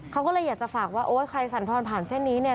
เขาเลยจะฝากว่าโอ้ใครสั่นพันธุ์ผ่านเส้นนี้เนี่ย